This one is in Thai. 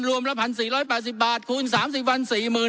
ละ๑๔๘๐บาทคูณ๓๐วัน๔๐๐๐